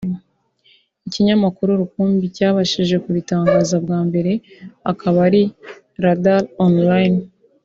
Ikinyamakuru rukumbi cyabashije kubitangaza bwa mbere akaba ari RadarOnline